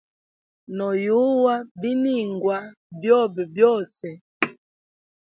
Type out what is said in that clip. No yuwa biningwa byobe byose.